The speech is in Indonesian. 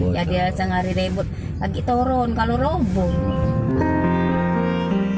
ya dia sehari hari rebut lagi turun kalau robong